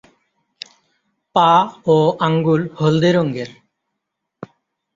পা ও আঙুল হলদে রঙের।